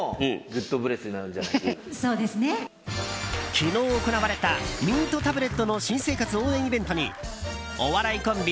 昨日行われたミントタブレットの新生活応援イベントにお笑いコンビ